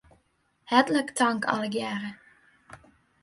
Hertlik tank allegearre.